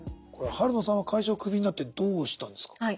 これ晴野さんは会社をクビになってどうしたんですか。